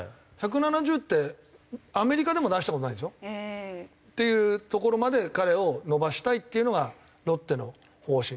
１７０ってアメリカでも出した事ないんですよ。っていうところまで彼を伸ばしたいっていうのがロッテの方針。